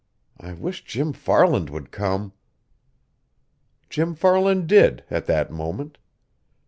I wish Jim Farland would come." Jim Farland did, at that moment.